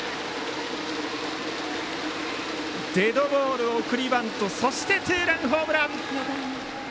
デッドボール、送りバントそしてツーランホームラン！